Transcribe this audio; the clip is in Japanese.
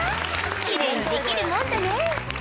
きれいに出来るもんだね。